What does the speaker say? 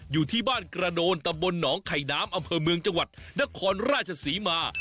อยู่ที่บ้านกระโดนตำบลหนองไข่น้ำอำเภอเมืองจังหวัดนครราชศรีมา